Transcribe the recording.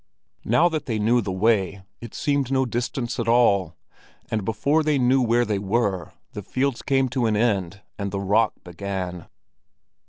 Now that they knew the way, it seemed no distance at all; and before they knew where they were, the fields came to an end and the rock began.